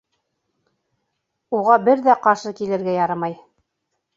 Уға бер ҙә ҡаршы килергә ярамай.